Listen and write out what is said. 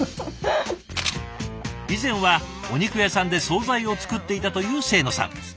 以前はお肉屋さんで総菜を作っていたという清野さん。